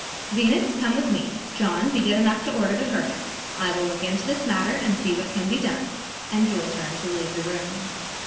"Venus, come with me. John, be good enough to order the herdic. I will look into this matter and see what can be done," and Jewel turned to leave the room.